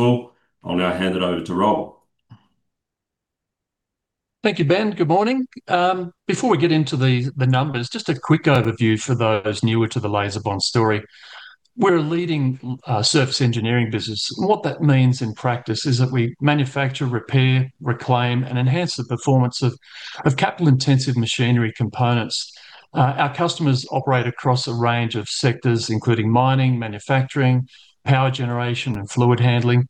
Well, I'll now hand it over to Rob. Thank you, Ben. Good morning. Before we get into the numbers, just a quick overview for those newer to the LaserBond story. We're a leading surface engineering business, and what that means in practice is that we manufacture, repair, reclaim, and enhance the performance of capital-intensive machinery components. Our customers operate across a range of sectors, including mining, manufacturing, power generation, and fluid handling.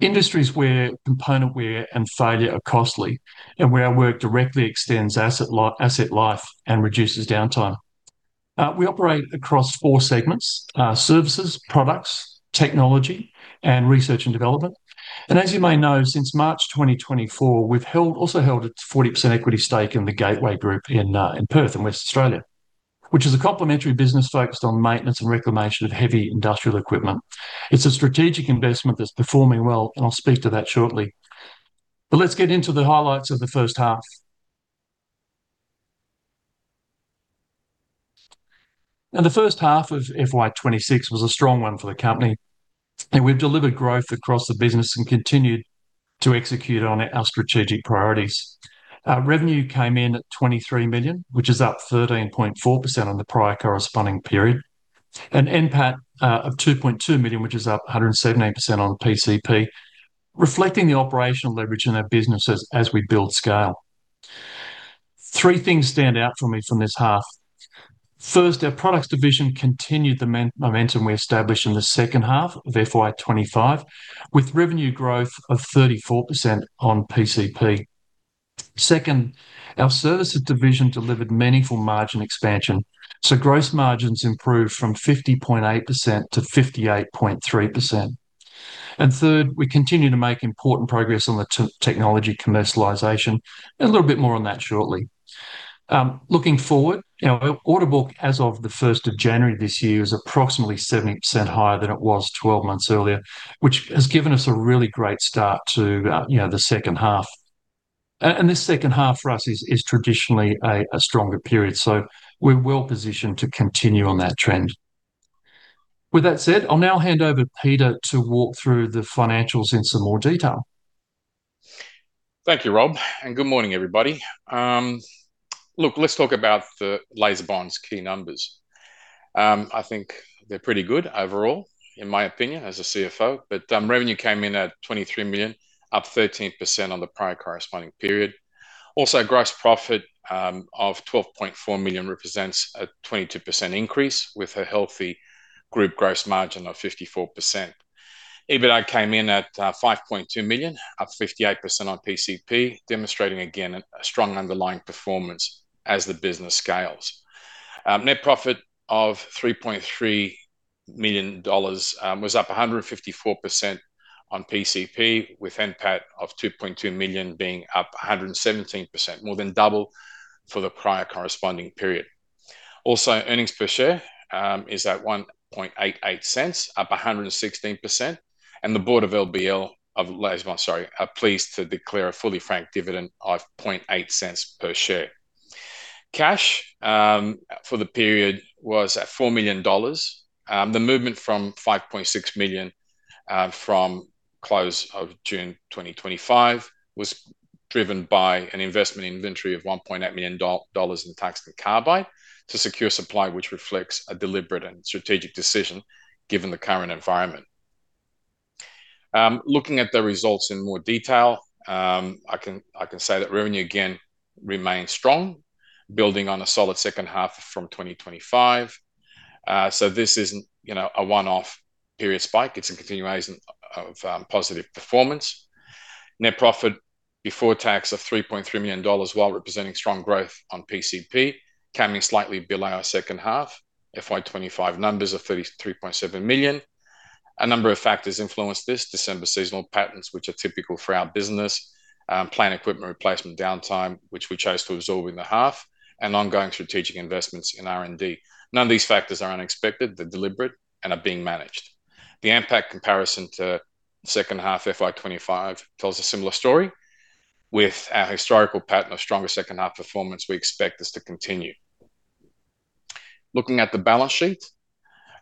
Industries where component wear and failure are costly, and where our work directly extends asset life and reduces downtime. We operate across four segments: services, products, technology, and research and development. And as you may know, since March 2024, we've held—also held a 40% equity stake in the Gateway Group in Perth, in West Australia, which is a complementary business focused on maintenance and reclamation of heavy industrial equipment. It's a strategic investment that's performing well, and I'll speak to that shortly. But let's get into the highlights of the H1. Now, the H1 of FY 2026 was a strong one for the company, and we've delivered growth across the business and continued to execute on our strategic priorities. Our revenue came in at 23 million, which is up 13.4% on the prior corresponding period. And NPAT of 2.2 million, which is up 117% on the PCP, reflecting the operational leverage in our business as we build scale. Three things stand out for me from this half. First, our products division continued the momentum we established in the H2 of FY 2025, with revenue growth of 34% on PCP. Second, our services division delivered meaningful margin expansion, so gross margins improved from 50.8% to 58.3%. And third, we continue to make important progress on the technology commercialization, and a little bit more on that shortly. Looking forward, our order book as of the first of January this year is approximately 17% higher than it was twelve months earlier, which has given us a really great start to, you know, the H2. And this H2 for us is traditionally a stronger period, so we're well positioned to continue on that trend. With that said, I'll now hand over to Peter to walk through the financials in some more detail. Thank you, Rob, and good morning, everybody. Look, let's talk about the LaserBond's key numbers. I think they're pretty good overall, in my opinion, as a CFO. But revenue came in at 23 million, up 13% on the prior corresponding period. Also, gross profit of 12.4 million represents a 22% increase, with a healthy group gross margin of 54%. EBITDA came in at 5.2 million, up 58% on PCP, demonstrating again a strong underlying performance as the business scales. Net profit of 3.3 million dollars was up 154% on PCP, with NPAT of 2.2 million being up 117%, more than double for the prior corresponding period. Also, earnings per share is at 0.0188, up 116%, and the board of LBL, of LaserBond, sorry, are pleased to declare a fully franked dividend of 0.008 per share. Cash for the period was at 4 million dollars. The movement from 5.6 million from close of June 2025 was driven by an investment in inventory of AUD 1.8 million in tungsten carbide to secure supply, which reflects a deliberate and strategic decision, given the current environment. Looking at the results in more detail, I can say that revenue again remains strong, building on a solid H2 from 2025. So this isn't, you know, a one-off period spike, it's a continuation of positive performance. Net profit before tax of 3.3 million dollars, while representing strong growth on PCP, coming slightly below our H2 FY 2025 numbers are 3.7 million. A number of factors influenced this. December seasonal patterns, which are typical for our business, plant equipment replacement downtime, which we chose to absorb in the half, and ongoing strategic investments in R&D. None of these factors are unexpected. They're deliberate and are being managed. The NPAT comparison to H2 FY 2025 tells a similar story. With our historical pattern of stronger H2 performance, we expect this to continue. Looking at the balance sheet,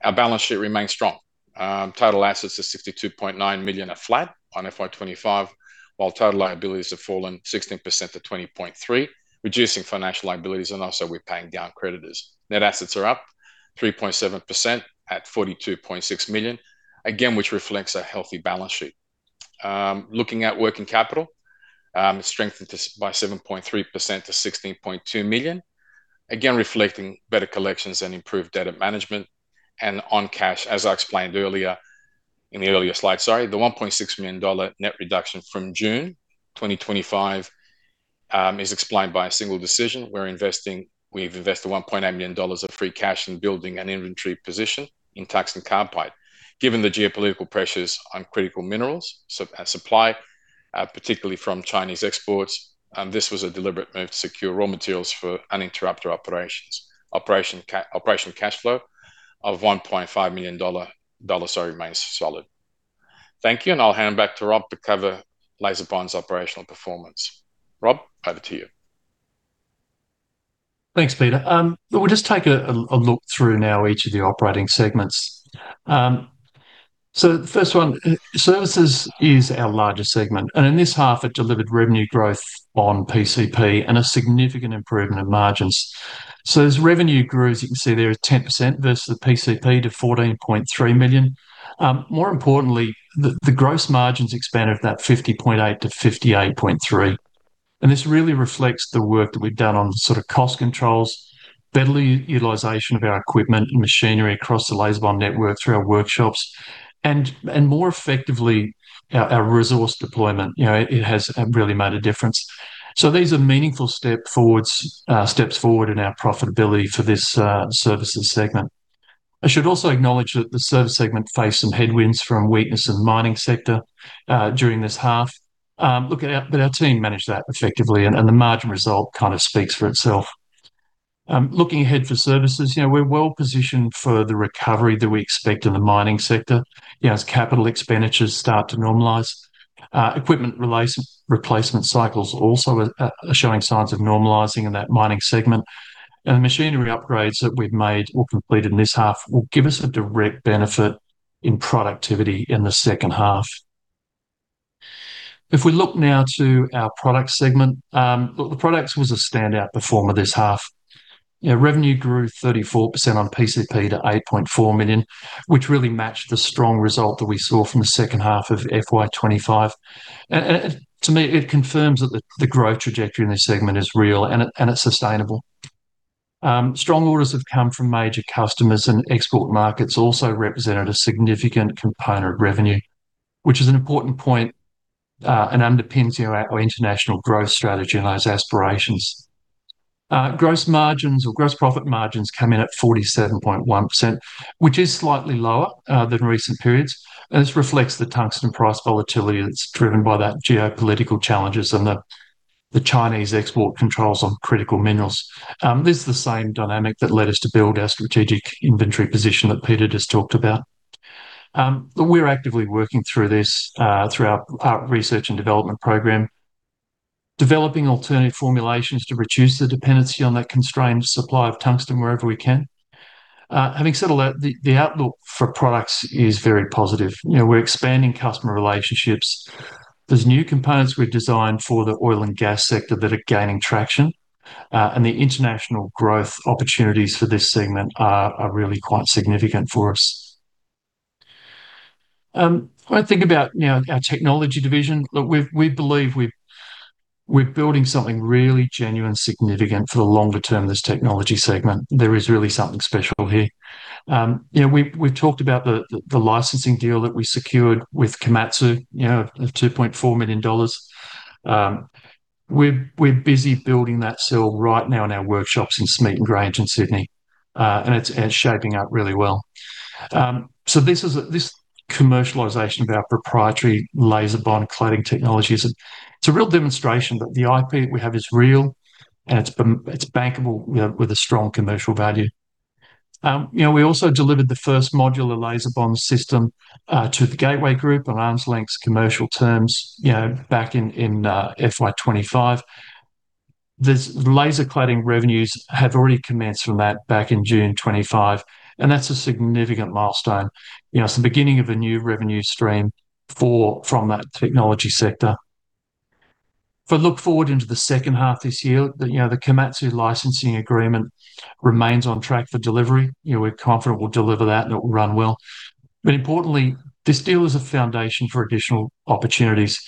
our balance sheet remains strong. Total assets are 62.9 million, flat on FY 2025, while total liabilities have fallen 16% to 20.3 million, reducing financial liabilities and also we're paying down creditors. Net assets are up 3.7% at 42.6 million, again, which reflects a healthy balance sheet. Looking at working capital, it's strengthened by 7.3% to 16.2 million. Again, reflecting better collections and improved debtor management. On cash, as I explained earlier, in the earlier slide, sorry, the 1.6 million dollar net reduction from June 2025 is explained by a single decision. We've invested 1.8 million dollars of free cash in building an inventory position in tungsten carbide. Given the geopolitical pressures on critical minerals supply, particularly from Chinese exports, this was a deliberate move to secure raw materials for uninterrupted operations. Operational cash flow of 1.5 million dollar remains solid. Thank you, and I'll hand back to Rob to cover LaserBond's operational performance. Rob, over to you. Thanks, Peter. But we'll just take a look through now each of the operating segments. So the first one, services is our largest segment, and in this half, it delivered revenue growth on PCP and a significant improvement of margins. So as revenue grew, as you can see there, at 10% versus the PCP to 14.3 million. More importantly, the gross margins expanded from that 50.8% to 58.3%, and this really reflects the work that we've done on sort of cost controls, better utilization of our equipment and machinery across the LaserBond network, through our workshops, and more effectively, our resource deployment. You know, it has, have really made a difference. So these are meaningful step forwards, steps forward in our profitability for this services segment. I should also acknowledge that the service segment faced some headwinds from weakness in the mining sector during this half. Look, but our team managed that effectively, and the margin result kind of speaks for itself. Looking ahead for services, you know, we're well positioned for the recovery that we expect in the mining sector, you know, as capital expenditures start to normalize. Equipment replacement cycles also are showing signs of normalizing in that mining segment. And the machinery upgrades that we've made or completed in this half will give us a direct benefit in productivity in the H2. If we look now to our product segment, look, the products was a standout performer this half. You know, revenue grew 34% on PCP to 8.4 million, which really matched the strong result that we saw from the H2 of FY 2025. To me, it confirms that the growth trajectory in this segment is real, and it's sustainable. Strong orders have come from major customers, and export markets also represented a significant component of revenue, which is an important point, and underpins, you know, our international growth strategy and those aspirations. Gross margins or gross profit margins come in at 47.1%, which is slightly lower than recent periods, and this reflects the tungsten price volatility that's driven by that geopolitical challenges and the Chinese export controls on critical minerals. This is the same dynamic that led us to build our strategic inventory position that Peter just talked about. But we're actively working through this, through our research and development program, developing alternative formulations to reduce the dependency on that constrained supply of tungsten wherever we can. Having said all that, the outlook for products is very positive. You know, we're expanding customer relationships. There's new components we've designed for the oil and gas sector that are gaining traction, and the international growth opportunities for this segment are really quite significant for us. If I think about, you know, our technology division, look, we believe we're building something really genuine, significant for the longer term, this technology segment. There is really something special here. You know, we've talked about the licensing deal that we secured with Komatsu, you know, of 2.4 million dollars. We're busy building that sale right now in our workshops in Smeaton Grange in Sydney, and it's shaping up really well. So this commercialization of our proprietary LaserBond cladding technology is a real demonstration that the IP we have is real, and it's bankable with a strong commercial value. You know, we also delivered the first modular LaserBond system to the Gateway Group on arm's length commercial terms, you know, back in FY 2025. Laser cladding revenues have already commenced from that back in June 2025, and that's a significant milestone. You know, it's the beginning of a new revenue stream from that technology sector. If I look forward into the H2 this year, you know, the Komatsu licensing agreement remains on track for delivery. You know, we're confident we'll deliver that, and it will run well. But importantly, this deal is a foundation for additional opportunities.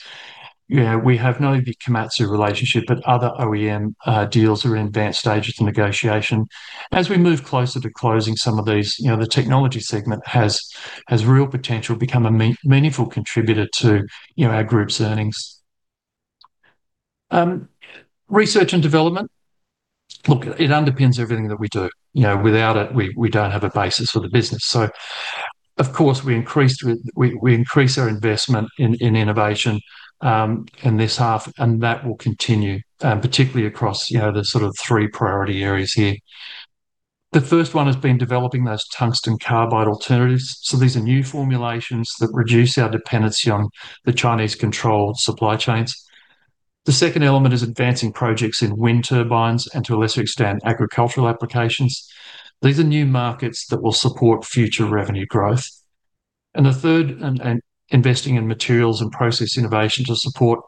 You know, we have not only the Komatsu relationship, but other OEM deals are in advanced stages of negotiation. As we move closer to closing some of these, you know, the technology segment has real potential to become a meaningful contributor to, you know, our group's earnings. Research and development, look, it underpins everything that we do. You know, without it, we don't have a basis for the business. So of course, we increased our investment in innovation in this half, and that will continue, particularly across, you know, the sort of three priority areas here. The first one has been developing those tungsten carbide alternatives, so these are new formulations that reduce our dependency on the Chinese-controlled supply chains. The second element is advancing projects in wind turbines and, to a lesser extent, agricultural applications. These are new markets that will support future revenue growth. And the third, investing in materials and process innovation to support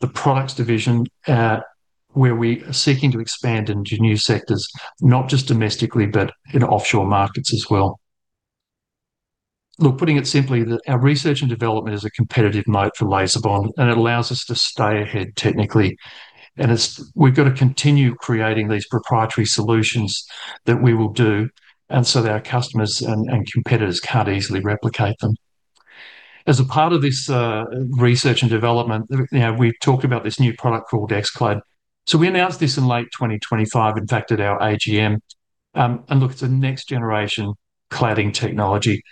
the products division, where we are seeking to expand into new sectors, not just domestically, but in offshore markets as well. Look, putting it simply, that our research and development is a competitive mode for LaserBond, and it allows us to stay ahead technically, and it's, we've got to continue creating these proprietary solutions that we will do, and so that our customers and competitors can't easily replicate them. As a part of this, research and development, you know, we've talked about this new product called XClad. So we announced this in late 2025, in fact, at our AGM, and look, it's the next generation cladding technology, and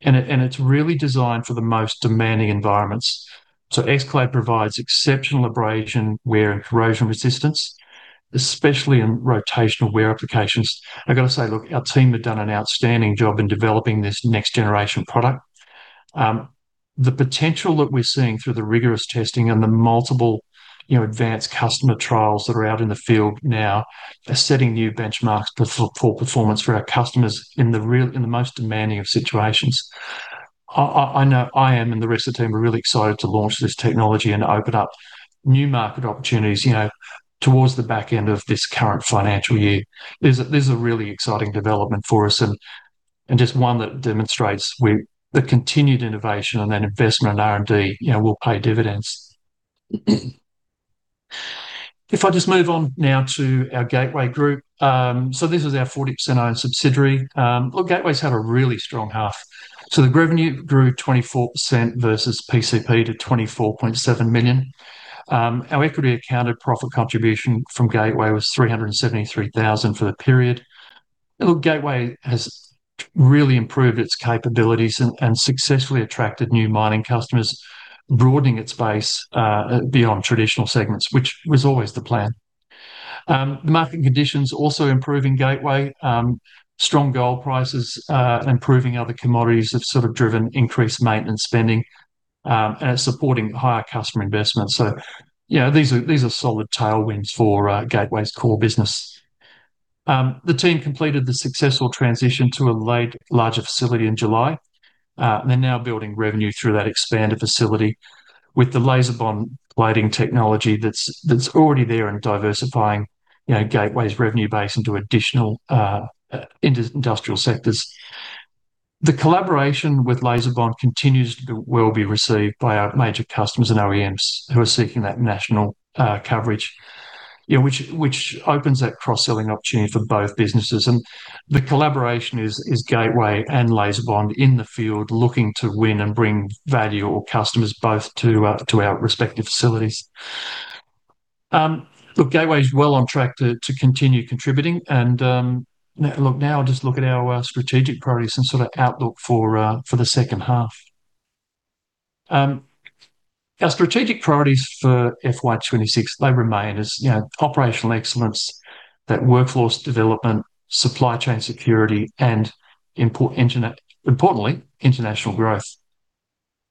it, and it's really designed for the most demanding environments. So XClad provides exceptional abrasion, wear, and corrosion resistance, especially in rotational wear applications. I've got to say, look, our team have done an outstanding job in developing this next generation product. The potential that we're seeing through the rigorous testing and the multiple, you know, advanced customer trials that are out in the field now are setting new benchmarks for performance for our customers in the most demanding of situations. I know I am, and the rest of the team are really excited to launch this technology and open up new market opportunities, you know, towards the back end of this current financial year. This is a really exciting development for us, and just one that demonstrates we the continued innovation and then investment in R&D, you know, will pay dividends. If I just move on now to our Gateway Group. So this is our 40%-owned subsidiary. Look, Gateway's had a really strong half. So the revenue grew 24% versus PCP to 24.7 million. Our equity accounted profit contribution from Gateway was 373,000 for the period. Look, Gateway has really improved its capabilities and successfully attracted new mining customers, broadening its base beyond traditional segments, which was always the plan. The market conditions also improving Gateway, strong gold prices, and improving other commodities have sort of driven increased maintenance spending, and supporting higher customer investment. So, you know, these are solid tailwinds for Gateway's core business. The team completed the successful transition to a larger facility in July. They're now building revenue through that expanded facility with the LaserBond licensing technology that's already there and diversifying, you know, Gateway's revenue base into additional industrial sectors. The collaboration with LaserBond continues to be well received by our major customers and OEMs who are seeking that national coverage, you know, which opens that cross-selling opportunity for both businesses. The collaboration is Gateway and LaserBond in the field, looking to win and bring value or customers both to our respective facilities. Look, Gateway is well on track to continue contributing. And look, now I'll just look at our strategic priorities and sort of outlook for the H2. Our strategic priorities for FY 2026, they remain as, you know, operational excellence, that workforce development, supply chain security, and importantly, international growth.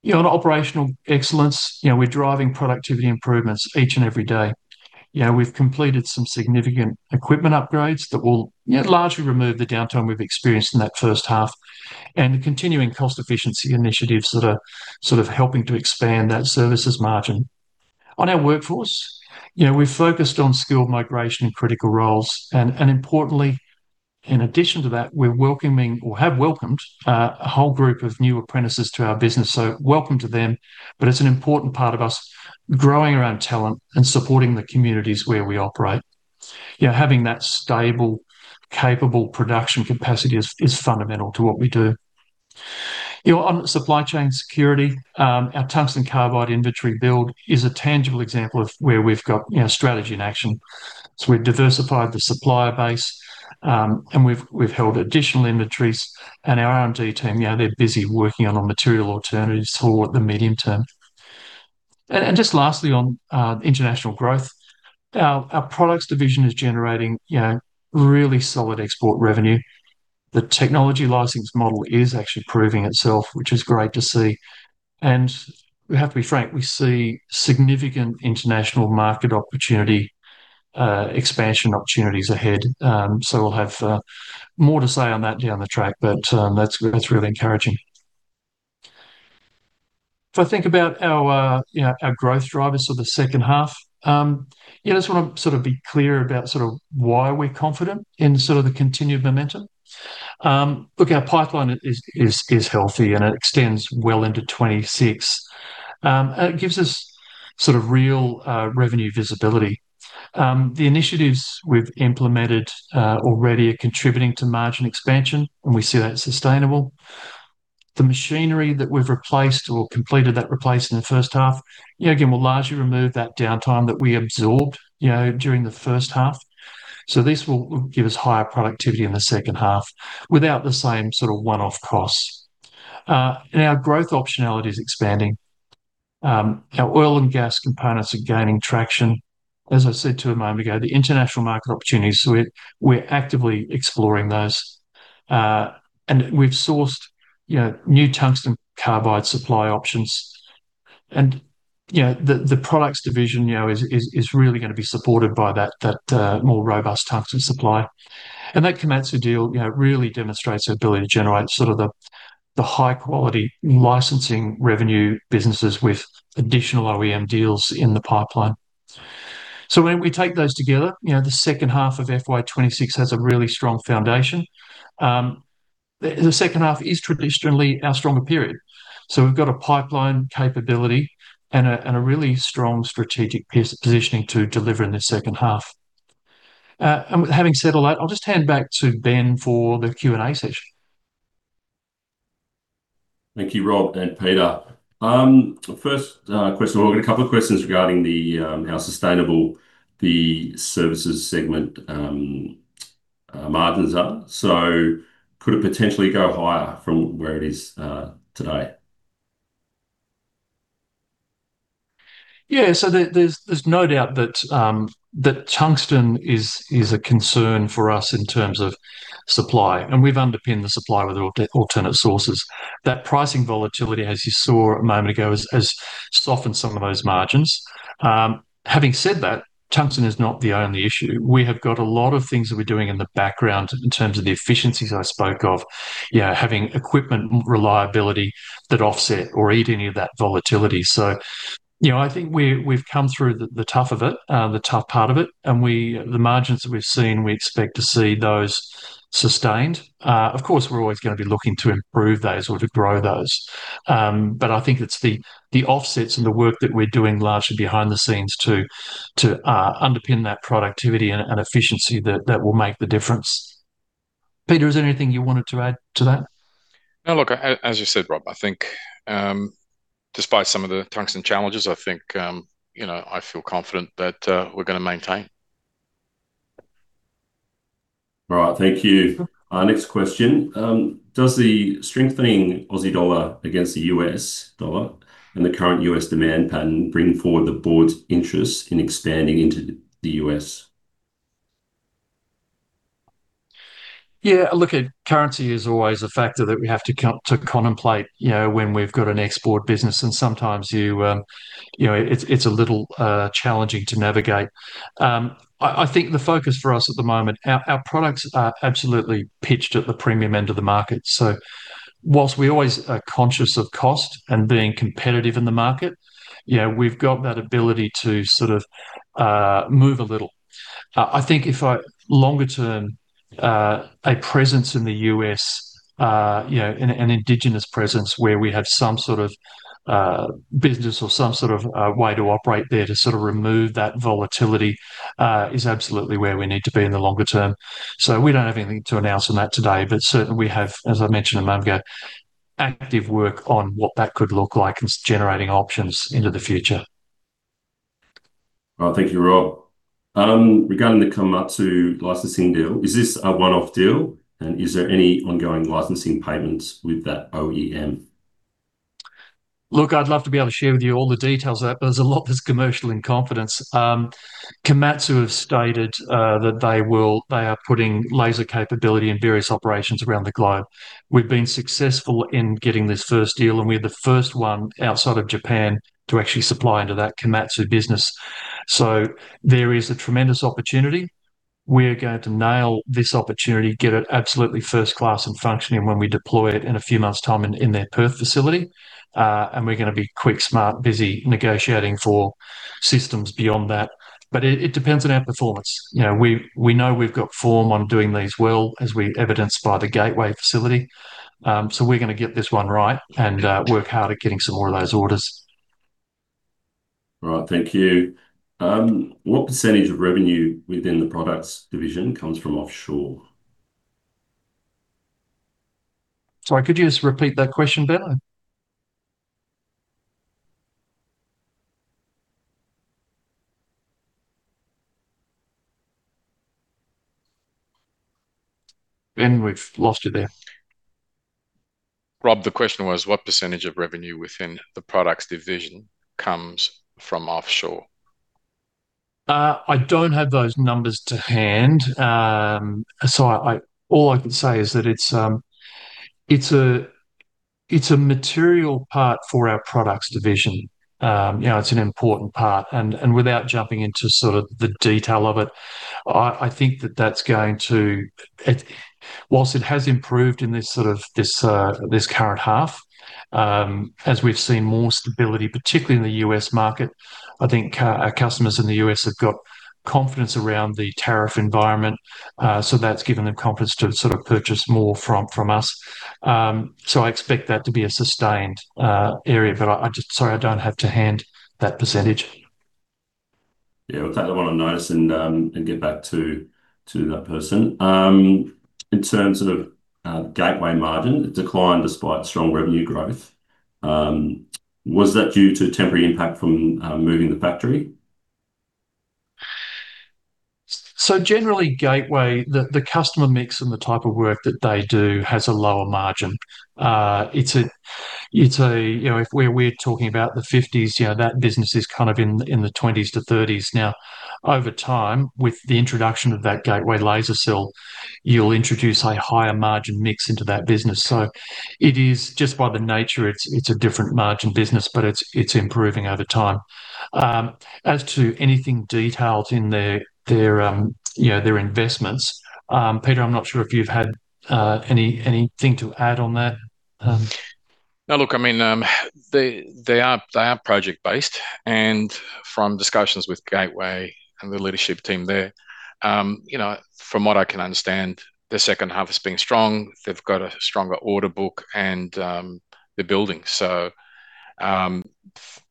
You know, on operational excellence, you know, we're driving productivity improvements each and every day. You know, we've completed some significant equipment upgrades that will, you know, largely remove the downtime we've experienced in that H1, and continuing cost efficiency initiatives that are sort of helping to expand that services margin. On our workforce, you know, we've focused on skilled migration in critical roles, and importantly, in addition to that, we're welcoming or have welcomed a whole group of new apprentices to our business, so welcome to them. But it's an important part of us growing our own talent and supporting the communities where we operate. You know, having that stable, capable production capacity is fundamental to what we do. You know, on supply chain security, our tungsten carbide inventory build is a tangible example of where we've got, you know, strategy in action. So we've diversified the supplier base, and we've held additional inventories, and our R&D team, you know, they're busy working on our material alternatives for the medium term. And just lastly, on international growth, our products division is generating, you know, really solid export revenue. The technology license model is actually proving itself, which is great to see, and we have to be frank, we see significant international market opportunity, expansion opportunities ahead. So we'll have more to say on that down the track, but that's really encouraging. If I think about our, you know, our growth drivers for the H2, you know, I just want to sort of be clear about sort of why we're confident in sort of the continued momentum. Look, our pipeline is healthy, and it extends well into 2026. And it gives us sort of real revenue visibility. The initiatives we've implemented already are contributing to margin expansion, and we see that sustainable. The machinery that we've replaced or completed that replace in the H1, you know, again, will largely remove that downtime that we absorbed, you know, during the H1. So this will give us higher productivity in the H2 without the same sort of one-off costs. Our growth optionality is expanding. Our oil and gas components are gaining traction. As I said a moment ago, the international market opportunities, so we're actively exploring those. We've sourced, you know, new tungsten carbide supply options, and, you know, the products division, you know, is really going to be supported by that more robust tungsten carbide supply. And that Komatsu deal, you know, really demonstrates our ability to generate sort of the high-quality licensing revenue businesses with additional OEM deals in the pipeline. So when we take those together, you know, the H2 of FY 2026 has a really strong foundation. The H2 is traditionally our stronger period. So we've got a pipeline capability and a really strong strategic positioning to deliver in the H2. And having said all that, I'll just hand back to Ben for the Q&A session. Thank you, Rob and Peter. First question, we've got a couple of questions regarding how sustainable the services segment margins are. So could it potentially go higher from where it is today?... Yeah, so there, there's no doubt that tungsten is a concern for us in terms of supply, and we've underpinned the supply with alternate sources. That pricing volatility, as you saw a moment ago, has softened some of those margins. Having said that, tungsten is not the only issue. We have got a lot of things that we're doing in the background in terms of the efficiencies I spoke of. Yeah, having equipment reliability that offset or eat any of that volatility. So, you know, I think we've come through the tough of it, the tough part of it, and we, the margins that we've seen, we expect to see those sustained. Of course, we're always going to be looking to improve those or to grow those. But I think it's the offsets and the work that we're doing largely behind the scenes to underpin that productivity and efficiency that will make the difference. Peter, is there anything you wanted to add to that? No, look, as you said, Rob, I think, despite some of the tungsten challenges, I think, you know, I feel confident that, we're going to maintain. All right, thank you. Our next question: Does the strengthening Aussie dollar against the U.S. dollar and the current U.S. demand pattern bring forward the board's interest in expanding into the U.S.? Yeah, look, currency is always a factor that we have to contemplate, you know, when we've got an export business, and sometimes you, you know, it's a little challenging to navigate. I think the focus for us at the moment, our products are absolutely pitched at the premium end of the market. So whilst we always are conscious of cost and being competitive in the market, you know, we've got that ability to sort of move a little. I think, longer term, a presence in the U.S., you know, an indigenous presence where we have some sort of business or some sort of way to operate there to sort of remove that volatility is absolutely where we need to be in the longer term. We don't have anything to announce on that today, but certainly we have, as I mentioned a moment ago, active work on what that could look like and generating options into the future. Well, thank you, Rob. Regarding the Komatsu licensing deal, is this a one-off deal, and is there any ongoing licensing payments with that OEM? Look, I'd love to be able to share with you all the details of that, but there's a lot that's commercial in confidence. Komatsu have stated that they are putting laser capability in various operations around the globe. We've been successful in getting this first deal, and we're the first one outside of Japan to actually supply into that Komatsu business. So there is a tremendous opportunity. We're going to nail this opportunity, get it absolutely first-class and functioning when we deploy it in a few months' time in their Perth facility. And we're going to be quick, smart, busy negotiating for systems beyond that. But it depends on our performance. You know, we know we've got form on doing these well, as we evidenced by the Gateway facility. We're going to get this one right and work hard at getting some more of those orders. All right, thank you. What percentage of revenue within the products division comes from offshore? Sorry, could you just repeat that question, Ben? Ben, we've lost you there. Rob, the question was, what percentage of revenue within the products division comes from offshore? I don't have those numbers to hand. So, all I can say is that it's a material part for our products division. You know, it's an important part, and without jumping into sort of the detail of it, I think that that's going to... Whilst it has improved in this sort of current half, as we've seen more stability, particularly in the U.S. market, I think our customers in the U.S. have got confidence around the tariff environment. So that's given them confidence to sort of purchase more from us. So I expect that to be a sustained area, but sorry, I don't have to hand that percentage. Yeah, we'll take that one on notice and get back to that person. In terms of Gateway margin, it declined despite strong revenue growth. Was that due to temporary impact from moving the factory? So generally, Gateway, the customer mix and the type of work that they do has a lower margin. It's a, you know, if we're talking about the 50s, you know, that business is kind of in the 20s-30s. Now, over time, with the introduction of that Gateway laser cell, you'll introduce a higher margin mix into that business. So it is just by the nature, it's a different margin business, but it's improving over time. As to anything detailed in their, you know, their investments, Peter, I'm not sure if you've had anything to add on that. Now, look, I mean, they are project-based, and from discussions with Gateway and the leadership team there, you know, from what I can understand, the H2 has been strong. They've got a stronger order book, and they're building. So,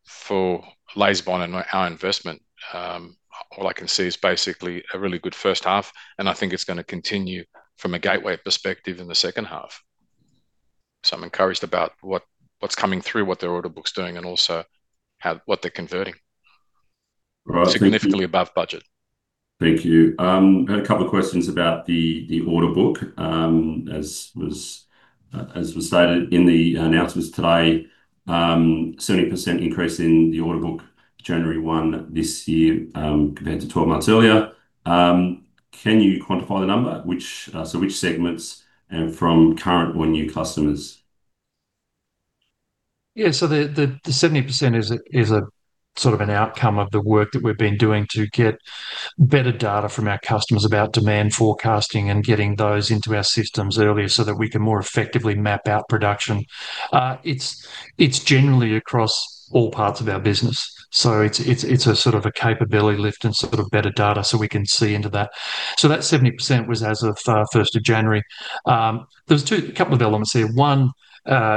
for LaserBond and our investment, all I can see is basically a really good H1, and I think it's going to continue from a Gateway perspective in the H2. So I'm encouraged about what's coming through, what their order book's doing, and also how what they're converting... significantly above budget. Thank you. I had a couple of questions about the order book. As was stated in the announcements today, 70% increase in the order book January 1 this year, compared to 12 months earlier. Can you quantify the number? So which segments and from current or new customers? Yeah, so the 70% is a sort of an outcome of the work that we've been doing to get better data from our customers about demand forecasting and getting those into our systems earlier, so that we can more effectively map out production. It's generally across all parts of our business. So it's a sort of a capability lift and sort of better data, so we can see into that. So that 70% was as of first of January. There was a couple of elements here. One,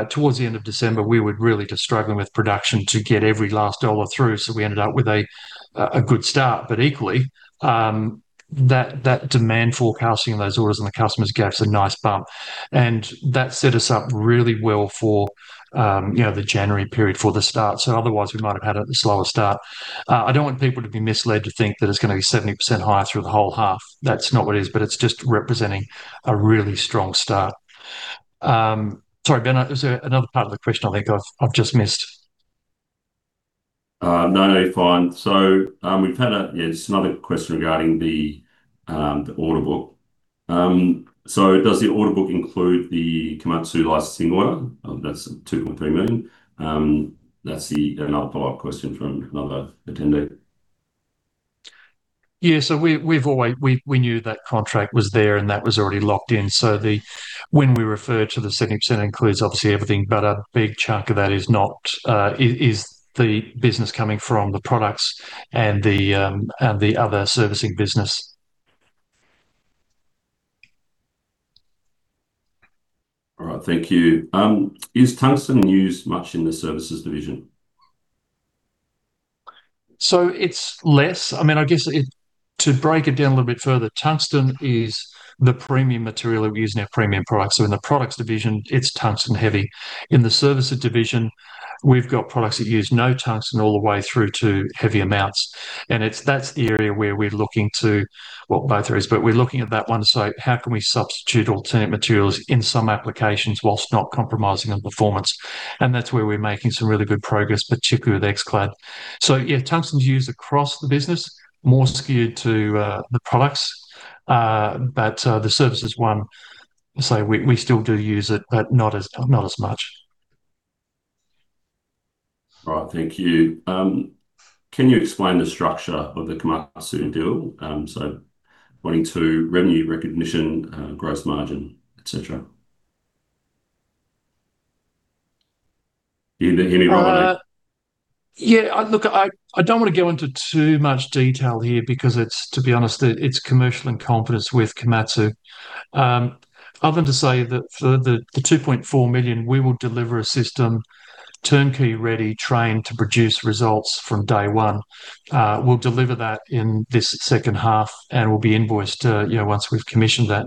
towards the end of December, we were really just struggling with production to get every last dollar through, so we ended up with a good start. But equally, that demand forecasting and those orders on the customers gave us a nice bump, and that set us up really well for, you know, the January period for the start. So otherwise, we might have had a slower start. I don't want people to be misled to think that it's going to be 70% higher through the whole half. That's not what it is, but it's just representing a really strong start. Sorry, Ben, there's another part of the question I think I've just missed. No, no, fine. So, yeah, it's another question regarding the order book. So does the order book include the Komatsu licensing order? That's 2.3 million. That's another follow-up question from another attendee. Yeah, so we've always known that contract was there, and that was already locked in. So when we refer to the second set includes, obviously, everything, but a big chunk of that is not the business coming from the products and the other servicing business. All right, thank you. Is tungsten used much in the services division? So it's less. I mean, I guess, to break it down a little bit further, tungsten is the premium material that we use in our premium products. So in the products division, it's tungsten heavy. In the services division, we've got products that use no tungsten all the way through to heavy amounts, and that's the area where we're looking to, well, both areas, but we're looking at that one. So how can we substitute alternate materials in some applications while not compromising on performance? And that's where we're making some really good progress, particularly with XClad. So yeah, tungsten is used across the business, more skewed to the products, but the services one, so we still do use it, but not as, not as much. All right, thank you. Can you explain the structure of the Komatsu deal? So pointing to revenue recognition, gross margin, et cetera. You, anybody? Yeah, look, I don't want to go into too much detail here because it's, to be honest, it's commercial in confidence with Komatsu. Other than to say that for the 2.4 million, we will deliver a system, turnkey ready, trained to produce results from day one. We'll deliver that in this H2, and we'll be invoiced, you know, once we've commissioned that.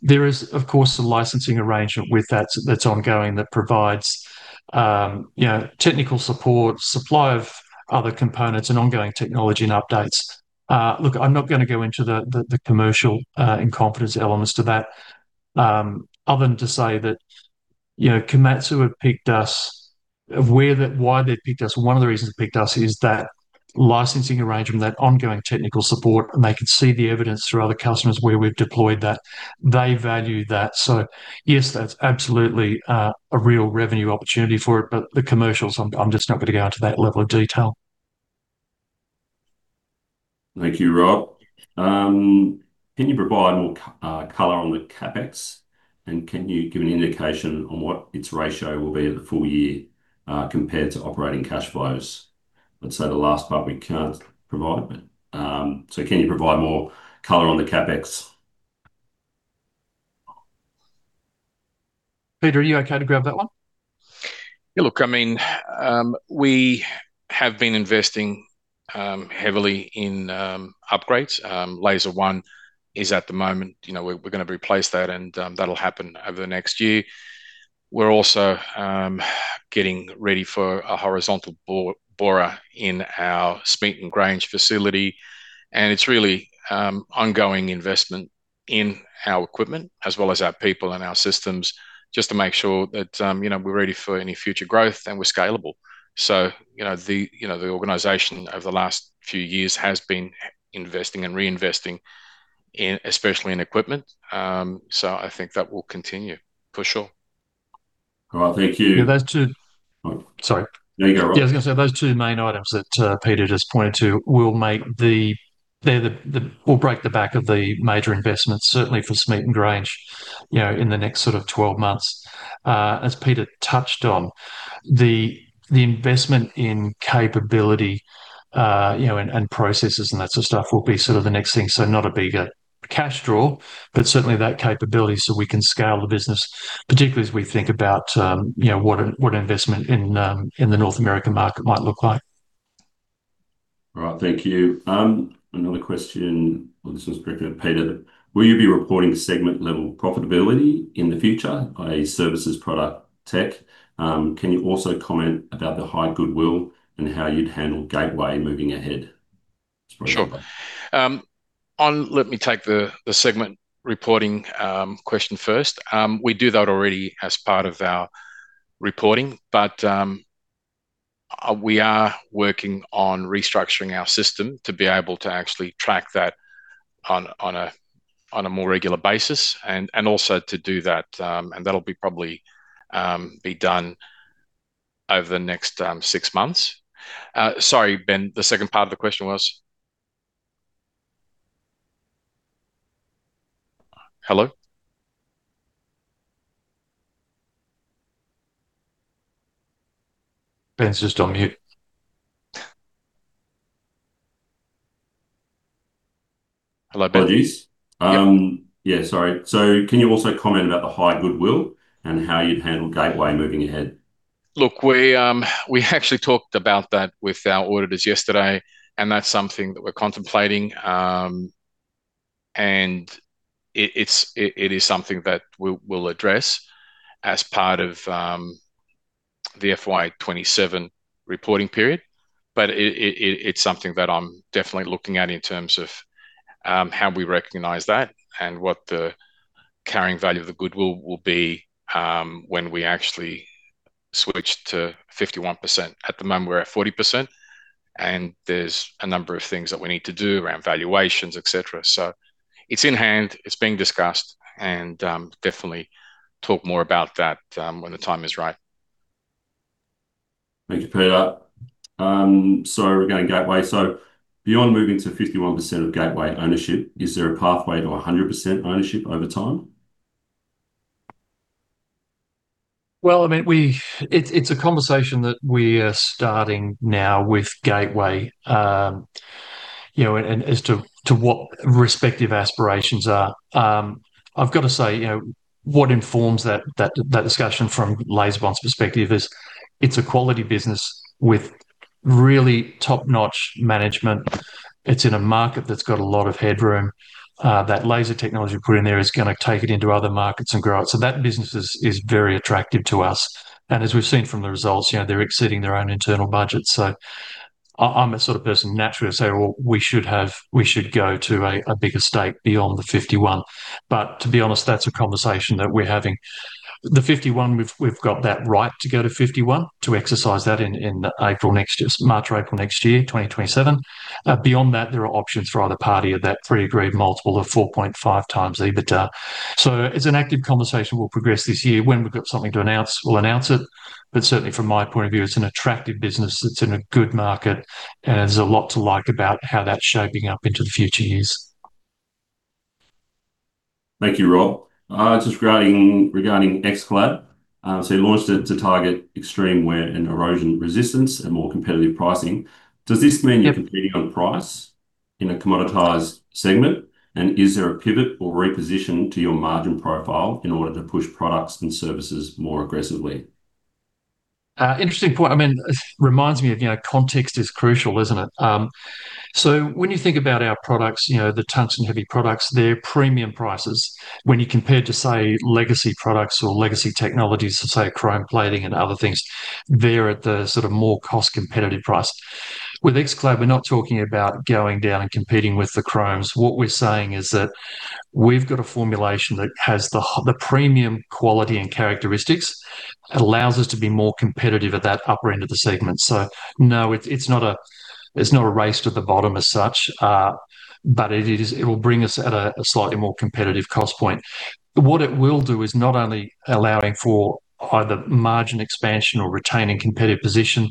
There is, of course, a licensing arrangement with that, that's ongoing, that provides, you know, technical support, supply of other components and ongoing technology and updates. Look, I'm not going to go into the commercial in confidence elements to that, other than to say that, you know, Komatsu have picked us. Where that, why they've picked us, one of the reasons they picked us is that licensing arrangement, that ongoing technical support, and they could see the evidence through other customers where we've deployed that. They value that. So yes, that's absolutely a real revenue opportunity for it, but the commercials, I'm just not going to go into that level of detail. Thank you, Rob. Can you provide more color on the CapEx? And can you give an indication on what its ratio will be in the full year, compared to operating cash flows? I'd say the last part we can't provide, but so can you provide more color on the CapEx? Peter, are you okay to grab that one? Yeah, look, I mean, we have been investing heavily in upgrades. Laser One is at the moment, you know, we're going to replace that, and that'll happen over the next year. We're also getting ready for a horizontal borer in our Smeaton Grange facility, and it's really ongoing investment in our equipment, as well as our people and our systems, just to make sure that, you know, we're ready for any future growth and we're scalable. So, you know, the organization over the last few years has been investing and reinvesting in, especially in equipment. So I think that will continue, for sure. All right. Thank you. Yeah, those two... Sorry. No, you go, Rob. Yeah, I was going to say those two main items that Peter just pointed to will break the back of the major investments, certainly for Smeaton Grange, you know, in the next sort of 12 months. As Peter touched on, the investment in capability, you know, and processes and that sort of stuff will be sort of the next thing. So not a bigger cash draw, but certainly that capability so we can scale the business, particularly as we think about, you know, what investment in the North American market might look like. All right. Thank you. Another question, well, this is directed at Peter: Will you be reporting segment-level profitability in the future, i.e., services, product, tech? Can you also comment about the high goodwill and how you'd handle Gateway moving ahead? Sure. Let me take the segment reporting question first. We do that already as part of our reporting, but we are working on restructuring our system to be able to actually track that on a more regular basis, and also to do that, and that'll be probably be done over the next six months. Sorry, Ben, the second part of the question was? Hello? Ben's just on mute. Hello, Ben. Apologies. Yep. Yeah, sorry. So can you also comment about the high goodwill and how you'd handle Gateway moving ahead? Look, we actually talked about that with our auditors yesterday, and that's something that we're contemplating. And it is something that we'll address as part of the FY 2027 reporting period, but it's something that I'm definitely looking at in terms of how we recognize that and what the carrying value of the goodwill will be when we actually switch to 51%. At the moment, we're at 40%, and there's a number of things that we need to do around valuations, et cetera. So it's in hand, it's being discussed, and definitely talk more about that when the time is right. Thank you, Peter. So regarding Gateway. So beyond moving to 51% of Gateway ownership, is there a pathway to 100% ownership over time? Well, I mean, It's a conversation that we are starting now with Gateway, you know, as to what respective aspirations are. I've got to say, you know, what informs that discussion from LaserBond's perspective is, it's a quality business with really top-notch management. It's in a market that's got a lot of headroom. That laser technology put in there is going to take it into other markets and grow it. So that business is very attractive to us. And as we've seen from the results, you know, they're exceeding their own internal budget. So I'm the sort of person naturally to say, "Well, we should have, we should go to a bigger stake beyond the 51." But to be honest, that's a conversation that we're having. The 51, we've got that right to go to 51, to exercise that in April next year, March or April next year, 2027. Beyond that, there are options for either party at that pre-agreed multiple of 4.5x EBITDA. So it's an active conversation we'll progress this year. When we've got something to announce, we'll announce it, but certainly from my point of view, it's an attractive business that's in a good market, and there's a lot to like about how that's shaping up into the future years. Thank you, Rob. Just regarding XClad. So you launched it to target extreme wear and erosion resistance and more competitive pricing. Yep. Does this mean you're competing on price in a commoditized segment? And is there a pivot or reposition to your margin profile in order to push products and services more aggressively? Interesting point. I mean, it reminds me of, you know, context is crucial, isn't it? So when you think about our products, you know, the tungsten heavy products, they're premium prices. When you compare to, say, legacy products or legacy technologies, say, chrome plating and other things, they're at the sort of more cost competitive price. With XClad, we're not talking about going down and competing with the chromes. What we're saying is that we've got a formulation that has the premium quality and characteristics. It allows us to be more competitive at that upper end of the segment. So no, it's not a race to the bottom as such, but it will bring us at a slightly more competitive cost point. What it will do is not only allowing for either margin expansion or retaining competitive position.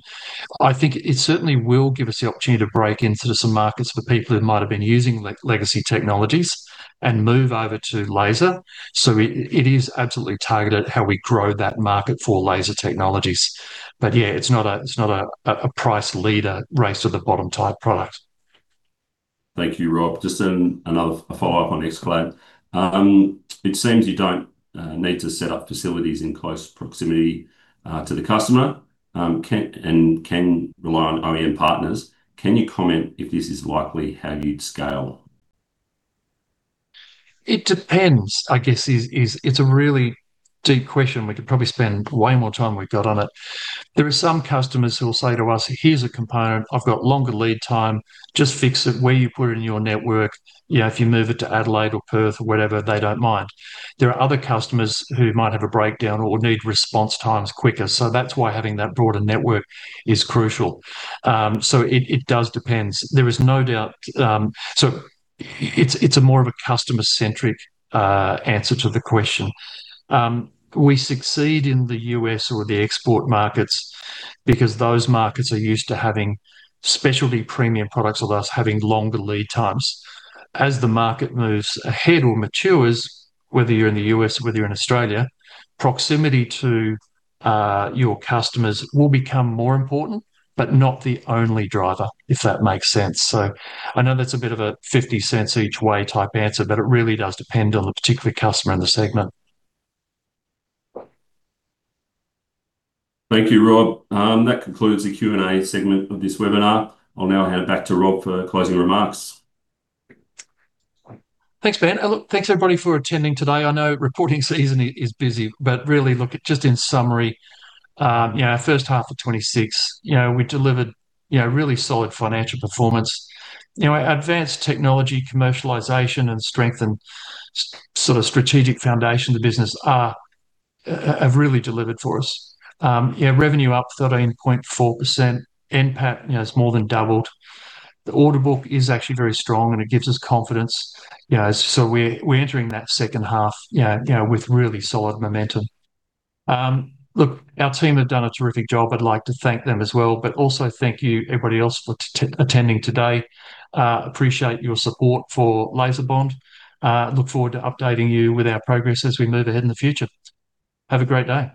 I think it certainly will give us the opportunity to break into some markets for people who might have been using legacy technologies and move over to laser. So it is absolutely targeted at how we grow that market for laser technologies. But yeah, it's not a price leader, race-to-the-bottom type product. Thank you, Rob. Just another follow-up on XClad. It seems you don't need to set up facilities in close proximity to the customer, and can rely on OEM partners. Can you comment if this is likely how you'd scale? It depends, I guess. It's a really deep question. We could probably spend way more time we've got on it. There are some customers who will say to us, "Here's a component. I've got longer lead time. Just fix it where you put it in your network." You know, if you move it to Adelaide or Perth or wherever, they don't mind. There are other customers who might have a breakdown or need response times quicker, so that's why having that broader network is crucial. So it does depends. There is no doubt. So it's a more of a customer-centric answer to the question. We succeed in the US or the export markets because those markets are used to having specialty premium products, although us having longer lead times. As the market moves ahead or matures, whether you're in the U.S. or whether you're in Australia, proximity to your customers will become more important, but not the only driver, if that makes sense. I know that's a bit of a 50 cents each way type answer, but it really does depend on the particular customer and the segment. Thank you, Rob. That concludes the Q&A segment of this webinar. I'll now hand it back to Rob for closing remarks. Thanks, Ben. Look, thanks, everybody, for attending today. I know reporting season is busy, but really, look, just in summary, you know, our H1 of 2026, you know, we delivered, you know, really solid financial performance. You know, our advanced technology, commercialization, and strength and sort of strategic foundation of the business are, have really delivered for us. Yeah, revenue up 13.4%. NPAT, you know, has more than doubled. The order book is actually very strong, and it gives us confidence, you know, so we're entering that H2, you know, with really solid momentum. Look, our team have done a terrific job. I'd like to thank them as well, but also thank you, everybody else, for attending today. Appreciate your support for LaserBond. Look forward to updating you with our progress as we move ahead in the future. Have a great day.